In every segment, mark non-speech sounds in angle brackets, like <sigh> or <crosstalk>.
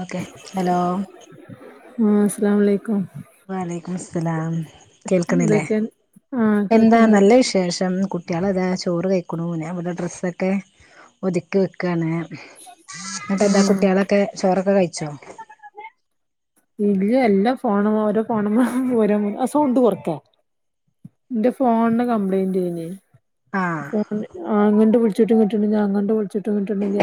Okay. Hello ആഹ് അസ്സലാമുലൈക്കും വലൈകുമുസ്സലാം കേൾക്കുന്നില്ലേ എന്തൊക്കെ ആഹ് എന്താ കേൾക്ക്ണ്ട് നല്ല വിശേഷം കുട്ട്യേള് അതാ ചോറ് കഴിക്കണു ഞാൻ ഇവിടെ ഡ്രസ്സ് ഒക്കെ ഒതുക്കി വെക്കാണ്. ന്നട്ട് എന്താ ആഹ് കുട്ടികളൊക്കെ ചോറൊക്കെ കഴിച്ചോ. ഇല്ല. എല്ലം ഫോണും ഓരോ ഫോണും ഓരോ ആ സൗണ്ട് കൊറക്കെ ഇന്റെ ഫോണിന് കംപ്ലയിന്റേനി ആഹ് ഫോൺ ആ ഇങ്ങണ്ട് വിളിച്ചിട്ടും കിട്ടണില്ല അങ്ങട്ണ്ട് വിളിച്ചി ട്ടും കിട്ടണില്ല.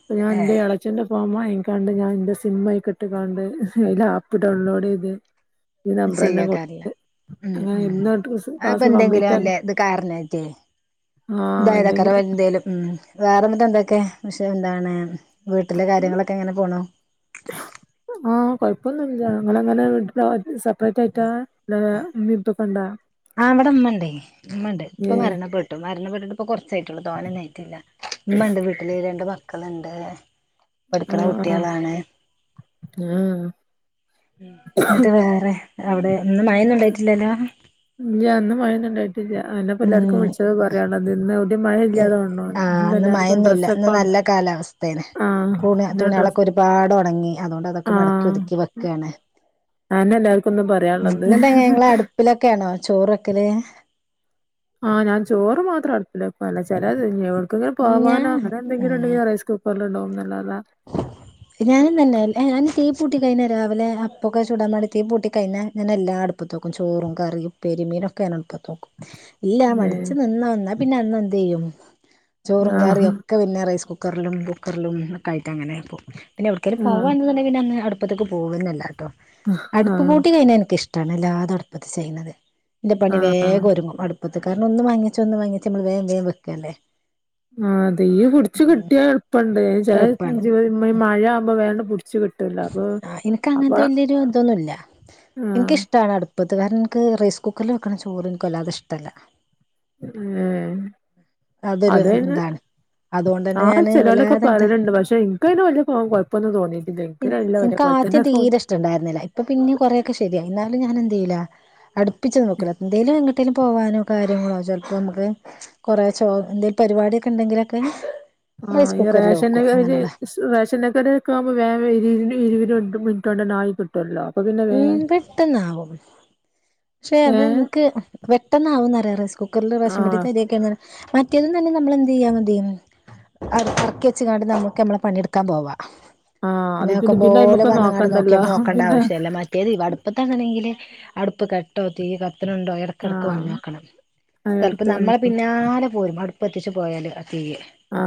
ഇപ്പൊ ഞാൻ ഏ എന്തെ അച്ഛന്റെ ഫോൺ വാങ്ങികാണ്ട് ഞാൻ ഇന്റെ സിം അതില്ക്ക് ഇട്ട് കാണ്ട് അയ്ല് ആപ്പ് ഡൗൺലോഡ് ചെയ്ത്. ശരിയാക്കാറില്ല മം മം ഇന്ന് അപ്പൊ ക്ലാസ് എന്തെങ്കിലും കംപ്ലീറ്റ് ആക്കി അല്ലേ ഇത് കാരണായിട്ടേ ആഹ് ഇതായരാക്കര എന്തെങ്കിലും എന്തേലും ഉം വേറെ ന്നട്ട് എന്തൊക്കെ? പക്ഷെ എന്താണ് വീട്ടിലെ കാര്യങ്ങളൊക്കെ എങ്ങനെ പോണു. ആഹ് കൊഴപ്പൊന്നുല്ല അങ്ങള് അങ്ങനെ <unintelligible> <unintelligible> അല്ല ഇമ്മീം ഇപ്പിം ഒക്കെ ഇണ്ട ആ ഇവിടെ ഇമ്മണ്ടേ ഇമ്മ ഉണ്ട്. ഉപ്പ മരണപ്പെട്ടു മരണപ്പെട്ടിട്ട് ഇപ്പൊ കുറച്ചായിട്ടുള്ളു തോനെ ഒന്നും ആയിട്ടില്ല. ഇമ്മണ്ട് വീട്ടില് രണ്ട് മക്കള്ണ്ട് പഠിക്കണ കുട്ട്യേളാണ്. ആഹാ ന്ന്ട്ട് വേറെ അവിടെ ഇന്ന് മഴ ഒന്നുംണ്ടായിട്ടില്ലല്ലോ. ഇല്ല്യ ഇന്ന് മഴ ഒന്നും ഉണ്ടായിട്ടില്ല അയന്നെ ഇപ്പൊ എല്ലാവർക്കും ഉം വിളിച്ചത് പറയാണ് നിന്ന് മഴ ഇല്ലാതെ ആഹ് തോണ്ണു ഇന്ന് എല്ലാർക്കും മഴയൊന്നുല്ല ഇന്ന് ഡ്രെസ്സ്പ്പോ നല്ല ആഹ് ഒക്കെ ഒരുപാട് ഒണങ്ങി. അതുകൊണ്ട് അതൊക്കെ മടക്കി ആഹ് ഒതുക്കി വെക്കാണ്. അതന്നെ എല്ലാർക്കും ഇന്നും ഉം പറയാനുള്ളത്. എന്നിട്ട് എങ്ങനെ നിങ്ങള് അടുപ്പിലൊക്കെയാണോ ചോറ് വെക്കല് ആഹ് ഞാൻ ചോറ് മാത്രം അടുപ്പിലാ വെക്ക ചിലത് എവ്ട്ക്ക്ങ്ങനെ പോവാനോ അങ്ങനെ ഞാൻ എന്തെങ്കിലും ഉണ്ടെങ്കിലും റൈസ് കുക്ക ണ്ടാവും <unintelligible> തെ <unintelligible> ഞാൻ തീ പൂട്ടികഴിഞ്ഞാൽ രാവിലെ അപ്പൊക്കെ ചുടാൻ വേണ്ടി തീ പൂട്ടി കഴിഞ്ഞാൽ ഞാൻ എല്ലാം അടുപ്പത്ത് വെക്കും ചോറും കറിയും പൊരി മീനൊക്കെ ഞാൻ അടുപ്പത്ത് വെ <inaudible> ഇല്ല ഏഹ് മടിച്ച് നിന്നാ എന്നാ പിന്നെ അന്ന എന്ത് ചെയ്യും ചോറും ആഹ് കറിയൊക്കെ ഒക്കെ പിന്നെ റൈസ് കുക്കറിലും കുക്കറിലും ഒക്കായിട്ട് അങ്ങനെ പോ. പിന്നെ എവ്ട്ക്കേലും ആഹ് പോവാൻ ഇണ്ട്ന്ന് ഇണ്ടെങ്കി പിന്നെ അന്ന് അടു അട്പ്പത്തക്ക് പോവുണെന്നെല്ല ട്ടോ. ആഹ് അടുപ്പ് പൂട്ടി കഴിഞ്ഞാൽ എനിക്ക് ഇഷ്ട്ടാണ് എല്ലാതു അട്പത്ത് ചെയ്യുന്നത്. ഇന്റെ പണി ആഹ് വേഗം ഒരുങ്ങും അടുപ്പത്ത് കാരണം ഒന്ന് വാങ്ങിച്ച് ഒന്ന് വാങ്ങിച്ച് നമ്മൾ വേം വേം വെക്കല്ലേ. ആഹ് തീ പിടിച്ച് കിട്ടിയാ എളുപ്പണ്ട് ചെല എളുപ്പമാണ് ഈ മഴ ആവുമ്പോ വേണ്ട പിടിച്ച കിട്ട ആ ഇന്ക്ക് അങ്ങനത്തെ വല്യരു അതൊന്നുല്ല്യ ആഹ് എനിക്കിഷ്ടാണ് അടു പൊതുവെ ന്ക് റൈസ് കുക്കറിൽ വെക്കണ ചോറ് ന്ക്ക് വെല്ലതെ ഇഷ്ട്ടല്ല. ഏഹ് അതൊരു അതന്നെ ഇതാണ് അതുകൊണ്ട് തന്നെ ആഹ് ഞാന് ചിലോലൊക്കെ വല്ലാതെങ്ങട്ട് പറയലുണ്ട്. പക്ഷെ എനിക്ക് അതിന് വലിയ കൊഴപ്പപൊന്നും തോന്നിയിട്ടില്ലെ. എനക്ക് ആദ്യം തീരെ ഇഷ്ടം ണ്ടായിരുന്നില്ല ഇപ്പ പിന്നെ കുറെക്കെ ശരിയായി എന്നാലും ഞാനെന്തതു ചെയില്ല അടുപ്പിച്ച് നോക്കൂ എന്തേലും ട്ടിന് പോവാനോ കാര്യങ്ങളോ ചെൽപ്പോ നമുക്ക് കുറെ ചോ എന്തെൽ പരിപാടി ഒക്കെ ഉണ്ടെങ്കിലൊക്കെ ആഹ് റൈസ് ഈ കുക്കറിൽ വെക്കും റേഷനരി അങ്ങനെയുള്ള റേഷന്റെ ഒക്കെ ആവുമ്പോ വേ വരി <unintelligible> രണ്ട് മിനുട്ട് കൊണ്ട് ആയി കിട്ടും ട്ടുവല്ലൊ അപ്പൊ പിന്നെ വേ പെട്ടെന്നാവും. പക്ഷെ അത് ഏഹ് ഇന്ക്ക് പെട്ടെന്നാവും എന്ന് അറിയാ റൈസ് കുക്കറിൽ റേഷൻ ആഹ് പിടിയെത്തെ അരിയൊക്കെ മറ്റേതും തന്നെ നമ്മള് എന്ത് ചെയ്യ മതി എർക്കിയച്ങ്ങാണ്ട് നമക്ക് നമ്മളെ പണിയെടുക്കാൻ പോവാ. ആഹ് അത് പിന്നെ ആക്കം പോലെ അയ്മക്ക് വന്ന്ങ്ങാട്ട് നോക്കിയ നോക്കണ്ടല്ലോ നോക്കണ്ട പിന്നെ ആവശ്യ മറ്റേത് അടുപ്പത്താന്ന്ണ്ടെങ്കില് അടുപ്പ് കെട്ടോ തീ കത്ത്ണ്‌ണ്ടോ എട ക്കെടക്ക് ആഹ് വന്നോക്കണം. ചെൽപ്പോ അയ്നെടക്ക് നമ്മളെ പിന്നാലെ പോരും അടുപ്പത്തിച്ചു പോയാല് അ തീയ് ആ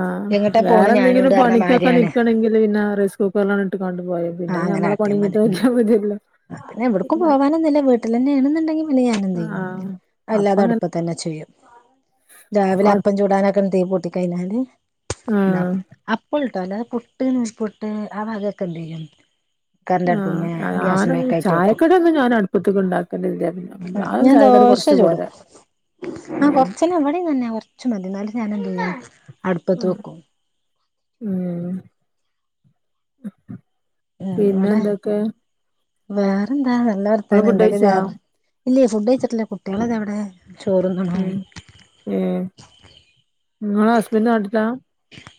വേറെന്തെങ്കിലും പണിക്കൊക്കെ മാരിയാണ് നിക്കണെങ്കിൽ പിന്നാ റൈസ് കുക്കറിലാണ്ട് ഇട്ട്കാണ്ട് പോയാതി. പിന്നെ ഞമ്മള പണിഞ്ഞിട്ട് ഓക്യാമത്യല്ലൊ അല്ല എവിടക്കും പോവാനൊന്നുല്ല, വീട്ടിലെന്നേണ്ന്ന്ണ്ടെങ്കിൽ പിന്നെ ഞാനെന്തെയ്യും ആഹ് അല്ലാതെ അപ്പങ്ങനെ അടുപ്പതന്നെ ചെയ്യും. രാവിലെ അപ്പം ചൂടാനൊക് ക്കെ തീ പൂട്ടി കയ്ഞ്ഞാല് ആഹ് താക്കും അപ്പോളളുട്ടൊ. അല്ലാതെ പുട്ട് നൈസ് പുട്ട് ആ വകക്കെന്ത്യ്യും കര്ൻ്റ്ട്പ്പ്മേ ആഹ് ഗ്യാസ് ഞാന് മേക്കായിട്ട് വെക്കും. ചായക്കടിയൊന്നും ഞാൻ അടുപ്പത്ത്ക്ക് ഉണ്ടാക്കലില്ല ആ ഞാൻ ചായക്കടി ദോശ കൊറച്ച് ചുടും പോരാ ആ ഉം കൊർച്ചന്നെ, വട്യും ങ്ങൻന്നെ കൊർച്ച് മതി. ന്നാലും ഞാനെഎന്തെയ്യും. അട്പ്പത്ത് ഉം വെക്കും. ഉം... ഉം ഇവിടെ പിന്നെന്തൊക്കെ? വേറെന്താ നല്ല വർത്താനം. ഫുഡ് എന്തൊക്ക കഴിച്ചോ ജാ ഇല്ല ഫുഡ് കഴിച്ചിട്ടില്ല. കുട്ടികള് താവടെ ചോറ്ന്ന്ണ് ഉം ഏ ങ്ങളെ ഹസ്ബൻഡ് നാട്ടിലാ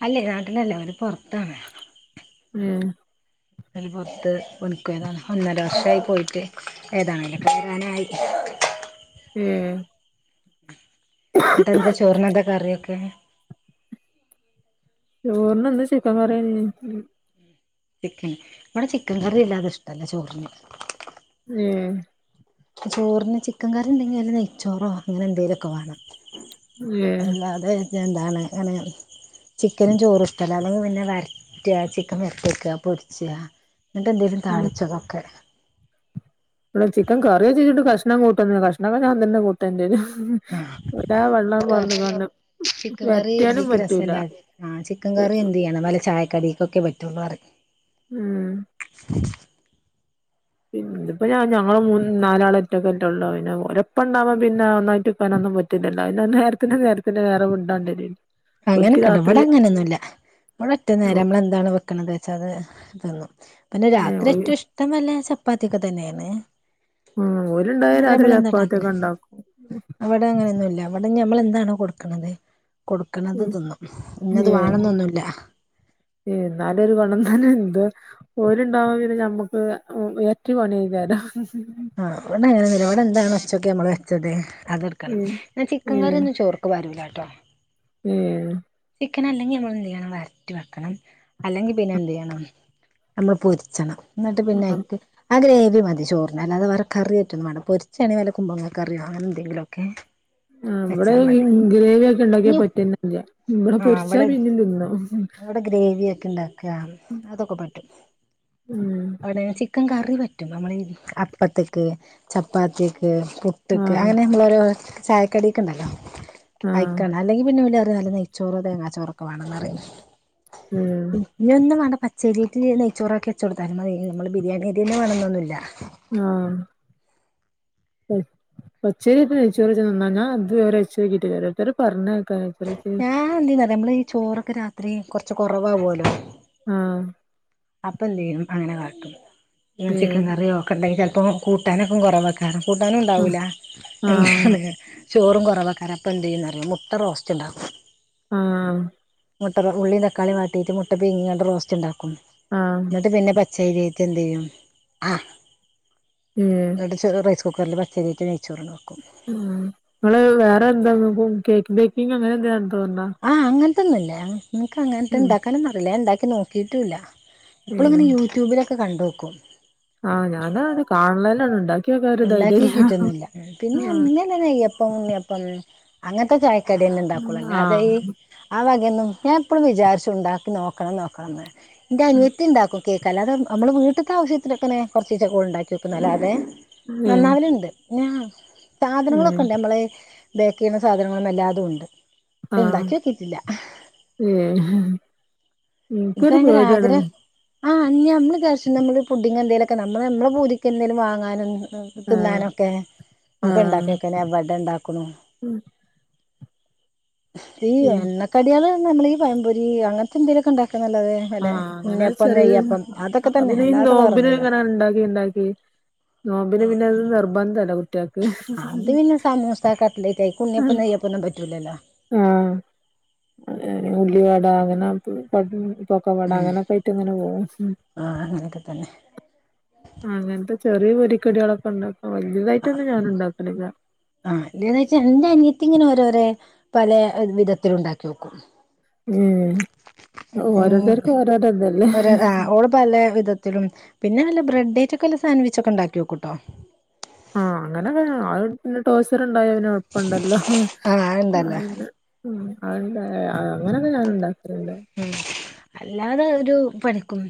അല്ലേ.. നാട്ടിലല്ല അവര് പൊർത്താണ് ഏ ഓല് പൊർത്ത് പണിക്കോയതാണ്. ഒന്നര വർഷായി പോയിട്ട്.. ഏതാണേലൊക്കെ വരാനായി ഏ... ന്നിട്ടെന്താ ചോറിനന്താ കറിയൊക്കെ ചോർന് ന്ന് ചിക്കൻ കറ്യേനി ബടെ ചിക്കൻ കറി അല്ലാതെ ഇഷ്ടല്ല ചോർന് ഏ... ചോർന് ചിക്കൻ കറി ണ്ടെങ്കി നല്ല നെയ്ച്ചോറോ അങ്ങനെന്തേലുഒക്കെ വാണം ഏഹ് അല്ലാതെ എന്താണ് ങ്ങനെ ചിക്കനും ചോറും ഇഷ്ട അല്ലാന്നെങ്കി പിന്നെ വര്റ്റ്വ ചിക്കൻ വര്റ്റെക്ക പൊര്ച്ച്വ ന്നട്ടന്തേലും ഉം താളിച്ചതൊക്കെ വടെ ചിക്കൻ കറിയെച്ച്ച്ച്ട്ട് കഷ്ണം കൂട്ടല്ല്ല്ല. കഷ്ണക്കെ ഞാൻ തന്ന കൂട്ടണ്ടേരും. ഹ്ഹ്ഹ് ആ <inaudible> ലാ വള്ളം പാർന്ന്കാണ്ട് ചിക്കൻ കറി വരട്ടിയാലും തീക്ക് പറ്റൂല രസല്ല റിം. ആ ചിക്കൻ കറി എന്തെയ്യണം വല്ല ചായക്കടി ക്കൊക്കെ പറ്റുള്ളൂ അറിം ഉം. <inaudible> പിന്നപ്പോ ഞ ഞങ്ങള് മൂ നാലാളൊറ്റൊക്കെല്ലൊള്ളൂ. പിന്നെ ഓലെപ്പ ന്നാ പ്പം പിന്നെ ഒന്നായിട്ടിട്ക്കാനൊന്നും പറ്റ് റ്റൂലല്ലോ. പിന്നെ നേരത്തിന് നേരത്തിന് വേറെ ഫുഡാണ്ടെര്യും അയ്ന് അങ്ങനെക്കണ്ടൊ. വടെ അങ്ങനൊന്നുല്ല. ബടെ ഒറ്റ നേരം. മ്മളെന്താണൊ വെ ക്ക്ണത്ച്ച അത് തിന്നും. പിന്നെ ഏഹ് രാത്രി ഓല് ഏറ്റും ഇഷ്ടം നല്ല ചപ്പാത്യൊക്കെതന്നേണ് ഉം... ഓല്ണ്ടായാൽ രാത്രി ഉണ്ടാക്കല് ചപ്പാത്യൊക്കെ ണ്ടാക്കും അവിടെ അങ്ങനെന്നുഅല്ല. വടെ ഞ്ഞി ഞമ്മൾ എന്താണോ കൊട്ക്ക്ണത്, ക്ക്ണത് ഉം തിന്നും. ഇന്നത് വാണംന്നൊന്നുല്ല ഏ ന്നാലും <unintelligible> ഓലുണ്ടാവുമ്പോൾ പിന്നെ നമ്മക്ക് ഇരട്ടി പണിയാക്കാരം. ആഹ് ഇവടെ അങ്ങനെയൊന്നുല്ല എന്താണ് ഉച്ചക്ക് നമ്മള് വെച്ചത് അതെട്ക്കണം ഉം ഞാ ചിക്കൻ കറി ഒന്ന് ചോർക് ക്കുപാരൂലാട്ടോ ഏ <inaudible> ക്കനഅല്ലെങ്കിൽ നമ്മളെന്ത്യ്യണം, വരറ്റി വെക്കണം. അല്ലെങ്കിൽ പിന്നെ എന്തെയ്യണം നമ്മൾ പൊര്ച്ചണം. ന്നട്ട് ആഹ് പിന്നെയ്ക്ക് ആ ഗ്രേവി മതി ചോറിന്. അല്ലാത വേറെ കറിയായിട്ടൊന്നും വാണ്ട. പൊരിച്ചാണെ വല്ല കുംബ്ലങ്ങ കറിയോ അങ്ങനെ എന്തെങ്കിലൊക്കെ <unintelligible> <inaudible> ആ വിടെ ഗ്രേവി ഒക്കെണ്ടാക്കിയാ ഇനി പറ്റ ന്നെല്ല വടെ പൊര്ച്ചാ പിന്നിം തിന്നും അവിടെ ഗ്രേവി ഒക്കെ ഇണ്ടാക്ക, അതൊക്കെ പറ്റും. ഉം അവിടെ ചിക്ക് ചിക്കൻ കറി പറ്റും നമ്മൾ അപ്പത്തക്ക്, ചപ്പാത്തിക്ക്, പുട്ട്ക്ക് ആഹ് അങ്ങനെ നമ്മളോ ചായക്കടി ഒക്കെണ്ടല്ലോ ആഹ് അയ്ക്കാണ് അല്ലെങ്കിൽ പിന്നെ ഓല് പറയും <unintelligible> ചോറ് തേങ്ങാ ചോറൊക്കെ വേണന്ന് പറയും ഉം ഇനി ഒന്നും വേണ്ട പ പച്ചേരിറ്റ് നെയ്ച്ചോറാക്കി വെച്ചൊട്ത്താലും മതി നമ്മള് ബിരിയാണി അരിന്നെ വേണന്നൊന്നുല്ല. ആഹ് എം പച്ചരി ഇട്ട് നെയ്ച്ചോറ് വെച്ചാൽ നന്നാവോ ഞാൻ ഇതുവരെ വെച്ച് നോക്കീട്ടില്ല ഓരോരുത്തർ പർഞ്ഞ് കേക്കാ <unintelligible> ഞാൻ എന്ത് ചെയ്യുന്നറിയോ നമ്മള് ഈ ചോറൊക്കെ രാത്രി കൊർച്ച് കൊറവാവോല്ലോ ആഹ് അപ്പ എന്തേനും അങ്ങനെ കാട്ടും ചിക്കൻ ഏഹ് കറിയൊക്കെ ഇണ്ടെങ്കിൽ ചെൽപ്പോ കൂട്ടാനൊക്കെ കുറവാക വേറെകൂട്ടാനും ഇണ്ടാവൂല ആഹ് ആഹ് എന്താണ് ചോറും കുറവാ കാരം എന്തെയ്യുന്നു മുട്ട റോസ്റ്റ് ഉണ്ടാക്കും ആഹ് മുട്ട ഉള്ളിയും തക്കാളി വാട്ടീട്ട് മുട്ട പീങ്ങിയിട്ട് റോസ്റ്റ് ഉണ്ടാക്കൂ ആഹ് പിന്നെ പച്ചരീറ്റ എന്ത് ചെയ്യും ആഹ് ഉം ചെറിയ റൈസ് കുക്കറിൽ പച്ചരിയിട്ട് നെയ്ച്ചോറ് ണ്ടാക്കും ഉം നമ്മളെ വേറെ എന്താ കേക്ക് ബേക്കിങ്ങ് അങ്ങനെ ന്തേ <unintelligible> ആഹ് അങ്ങൻത്തൊന്നുല്ല നങ്ങ് ഇൻക്ക് അങ്ങൻത്തെ ഉം ഇണ്ടാക്കാനൊന്നും അറീല്ല. ഞാൻ ഇണ്ടാക്കി നോക്കിട്ടും ഇല്ല. ഏഹ് ഇപ്പോള്ങ്ങനെ യൂട്യൂബിലൊക്കെ കണ്ടോക്കും. ആഹ് ഞാൻ കാണേ ഉള്ളൂ ഉണ്ടാക്കി നോക്കാൻ ഉണ്ടാക്കി ധൈര്യല്ല കിട്ടുന്നില്ല പിന്നെ മ് അങ്ങനെന്നെ നെയ്യപ്പം ഉണ്ണിയപ്പം അങ്ങനത്തെ ചായക്കടിയേ ഉണ്ടാ കൊള്ളൂ. അല്ലാതെ ആഹ് ഈ ആ വകയന്നും ഞാൻ എപ്പോഴും ആ ആവകയൊന്നും ഞാൻ എപ്പയുംവിചാരിച്ചുംഇണ്ടാക്കി നോക്കണം നോക്കണം എന്റെ അനിയത്തി ഇണ്ടാക്കും. കേൾക്കല്ലാതെ നമ്മള് വീട്ടിത്തെ ആവശ്യത്തിക്കനെ കുറച്ച് ഒക്കെ ഉണ്ടാക്കി നോക്കൂന്നല്ലാതെ ഏഹ് നന്നാവലുണ്ട്. ഞാൻ സാധനങ്ങളൊക്കെ ഏഹ് ഉണ്ട് നമ്മളെ ബേക്ക് ചെയ്യുന്ന സാധനങ്ങളും എല്ലാതുംണ്ട് ആഹ് ഏ ഇൻക്കൊരു പേടിയാണെ ആ നമ്മള് ക്യാഷ്നമ്മള് ഫുഡിങ് എന്തെലൊക്കെ നമ്മള് നമ്മളെ പൂതിക്ക് എന്തേലും വാങ്ങാനും. ഉം തിന്നാനൊക്കെ നമുക്ക് ആഹ് ഇണ്ടാക്കിക്കനെ എപടെ ഇണ്ടാക്ക്ണു ഈ ഉം എണ്ണക്കടികള് നമ്മൾ ഈ പഴംപൊരി അങ്ങനത്തെ എന്തെലൊക്കെ ഇണ്ടാക്കാന്നല്ലാതെ ആഹ് അങ്ങനെ <unintelligible> അപ്പ തന്നെ പിന്നെ ഈ അല്ലാതെ വേറൊന്നുമില്ല നോബിനിങ്ങനെ ഇണ്ടാക്കി ഇണ്ടാക്കി നോമ്പിന് പിന്നെ അത് നിർബന്ധല്ലേ കുട്ടിയാൾക്ക് എത്താ <unintelligible> കൈക്ക് ഉണ്ണിയപ്പം നെയ്യപ്പം ഒന്നും പറ്റൂലല്ലോ. ആഹ് <unintelligible> ഉള്ളിവട അങ്ങനെ <unintelligible> പക്കവട അങ്ങനൊക്കെ ആയിറ്റ് ഇങ്ങനെപോവും ആഹ് അങ്ങനൊക്കെ തന്നെ അങ്ങൻത്തെ ചെറിയ പൊരിക്കടികളൊക്കെണ്ടാക്കും വലിയതായിട്ടൊന്നും ഞാൻ ഇണ്ടാക്കലില്ല. ആഹ് ഇതേന്നോയ്ച്ച എന്റെ അനിയത്തി ഇങ്ങനെ ഓരോരെ പലേ വിധത്തിലുണ്ടാക്കിഓക്കും. ഉം ഉം ഓരോരുത്തർക്കും ഓരോരോ ഇതല്ലേ ഒരു ആ ഓള് പല വിധത്തിലും പിന്നെ നല്ല ബ്രെഡ <unintelligible> സാൻവിച്ച് ഒക്കെ ഇണ്ടാക്കി നോക്കുട്ടോ. ആഹ് അങ്ങനെയൊക്കെ അങ്ങനെ ടോയ്‌സര്‍ ഉണ്ടായ പിന്നെ എളുപ്പണ്ടല്ലോ, ആഹ് ഉണ്ടല്ലോ അത് പിന്നെ <unintelligible> അങ്ങനൊക്കെ ഞാനുംണ്ടാക്കൽണ്ട് ഉം അല്ലാതെ ഒരു പണിക്കും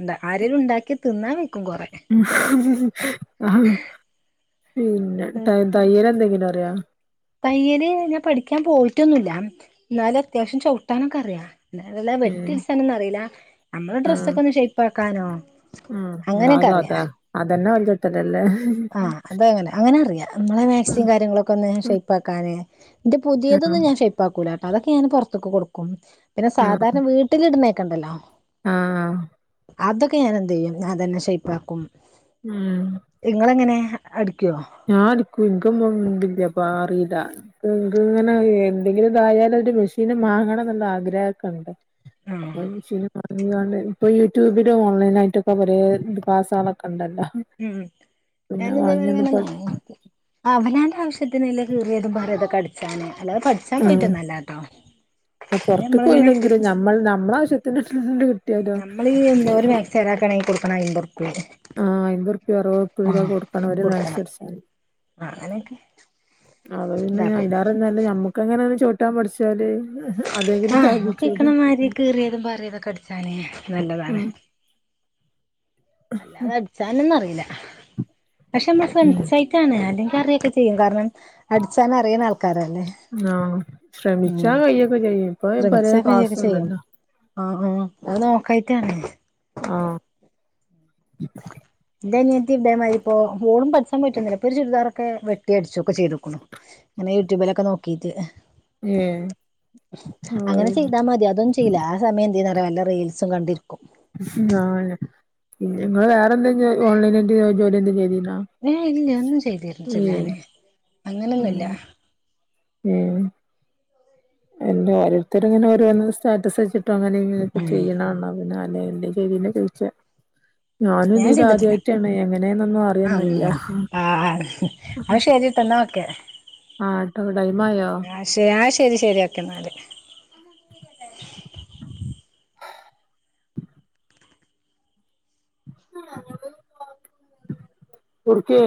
എന്താ ആരലും ഇണ്ടാക്കിയ തിന്നാ വയ്ക്കും കൊറെ പിന്നെ ഉം ട്ട തയ്യൽ എന്തെങ്കിലും അറിയോ തയ്യല് ഞാൻ പഠിക്കാൻ പോയിട്ടൊന്നുല്ല ഇന്നാലും അത്യാവശ്യം ചവിട്ടാനൊക്കെ അറിയാ അല്ല വെട്ടി ഏഹ് അട്സാനൊന്നുംഅറീല്ല. നമ്മളെ ആഹ് ഡ്രസ്സൊക്കെന്ന് ഷെയ്പ്പാക്കാനോ ഉം ന്നാലും അതാ അതെന്നെ വലിയ കിട്ടലല്ലേ ആഹ് അതെങ്ങനെ അങ്ങനെ അറിയാം നമ്മളെ മാക്സി കാര്യങ്ങളൊക്കെ ഒന്ന് ഷപ്പാക്കാനെ എന്റെ ആഹ് പുതിയതൊന്ന് ഞാൻ ഷേ ഉപ്പാക്കൂലാട്ട അതൊക്കെ ഞാൻ പുറത്തൊക്ക് കൊടുക്കും പിന്നെ സാധാരണ വീട്ടില ഇടുന്നേക്കണ്ടല്ലോ ആഹ അതൊക്കെ ഞാന എന്ത് ചെയ്യും ഞാതന്നെ ഷേപ്പാക്കും ഉം നിങ്ങളെങ്ങനെ അടിക്കുവോ ഞാനടിക്കും ഇകൊന്ന് <unintelligible> പാറല്ല ഇങ്ങനെ എന്തെങ്കിലും ഇതായാല ഒരു മെഷീന് വാങ്ങണം എന്നുള്ള ആഗ്രഹമൊക്കെണ്ട് ആഹ് ആ <unintelligible> അണ്ട് ഇപ്പൊ യൂട്യൂബില ഓൺലൈനായിട്ടൊക്കെ ഒരേ ഇകസുകളൊക്കെ ഉണ്ടല്ലോ ഉം പിന്നെ വാങ്ങിയൊന്ന് ഞനിതങ്ങനെ പ <unintelligible> അവലാന്റെ ആവശ്യത്തിനല്ല കീറിയതും പറത കടിച്ചാന് അല്ല പഠ ആഹ് സംഭവട്ടൊന്നല്ലട്ടോ പൊറത്ത്ക്ക് നമ്മള എങ്ങനെ പോയില്ലെങ്കിലും നമ്മൾ നമ്മള ആവശ്യത്തിന്ണ്ട് കിട്ടിയാലോ ചെരാ കണി കൊടുക്കണം അൻമ്പോറുപ്പിക ആഹ് അൻപത് റുപ്പിക <unintelligible> കൊടുക്കാണ് ഒരു <unintelligible> ആ അങ്ങനെയൊക്കെ അത പിന്നെ ഇതാക്കുംപ്പ ഇതാറെല്ല ഞമ്മക്ക്ങ്ങനെ ചോട്ടാൻ പഠിച്ചു വച്ചല് അതെങ്ങനെ ആഹ് നമ്മക്ക് ലാഭിച്ചടെ <inaudible> കഴിക്കണമാതിരി കീറിയതും പാറിയതൊക്കെ അടിച്ചാന് നല്ലതാണ് അല്ലാതെ അടിച്ചാനൊന്നും അറിയില്ല പക്ഷെ നമ്മള് ഉം ശ്രമിച്ച ണ് അല്ലെങ്കിൽ അറിയൊക്കെ ചെയ്യും കാരണം അടിച്ചാന അറിയുന്ന ആൾക്കാരല്ലേ ആഹ ഉം ശ്രമിച്ചാ കയ്യൊക്കെ ചെയ്യും ഇപ്പൊ പയ കാസുണ്ടല്ലോ ആ ആ അത് നോക്കായിട്ടണേ ആഹ എൻ്റെ അനത്ത് ഇവിടേ മാതിരി ഇപ്പോ വോടും പഠസാൻ പറ്റുന്നില്ല ഇപ്പൊ ചുരിദാറൊക്കെ വെട്ടി അടിച്ചുക്കെ ചെയ്തുക്കുണു അങ്ങനെ യൂട്യൂബിലൊക്കെ നോക്കീട്ട് ഏഹ് അങ്ങനെ ചെയ്താ മതി അതൊ ശയില്ല ആ സമയം എന്ത ചെയ്യാ പറ വല്ല റീൽസും കണ്ടിരിക്കും ഉ ആ നിങ്ങള് വേറെന്ത ഓൺലൈനായിട്ട് ജോലി എന്തും ചെയ്തില്ല ഞാൻ ഇല്ല ഒന്നും ചെയ്തിരുന്നട്ടില്ലഞാന് അങ്ങനൊന്നുല്ല ഉം <inaudible> എന്റെ ഓരോരുത്തർ ഇന ഓരോ സ്റ്റാറ്റസ് വെച്ചിട്ടും അങ്ങനെ ഇങ്ങനൊക്കെ ഉം ചെയ്യണണോ പിന്നെ അന <unintelligible> ചോദിച്ച ഞാനും ഞാൻ ഇതിൽ ചെയ്തിട്ടില്ല ആദ്യായിട്ടാണ് എങ്ങനെയന്നൊന്നും അറിയൻ പറ്റില്ല അ ശരിട്ട എന്നാ ഒക്കെ ആ ട്ടോ ടൈമായോ ക്ഷെ ആ ശരി ശരിയാക്കെ എന്നാല് ഒക്കെ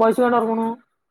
വയസ കട്ടക്കണും